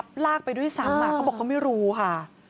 เหมือนยังทับลากไปด้วยซั้งมาก้บอกเข้ามิรู้ค่ะ